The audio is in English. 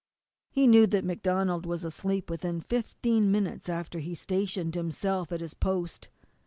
He knew that MacDonald was asleep within fifteen minutes after he had stationed himself at his post.